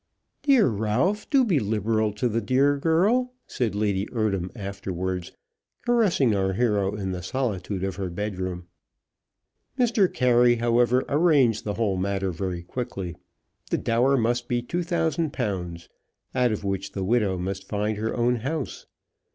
"Dear Ralph, do be liberal to the dear girl," said Lady Eardham afterwards, caressing our hero in the solitude of her bed room. Mr. Carey, however, arranged the whole matter very quickly. The dower must be £2,000, out of which the widow must find her own house.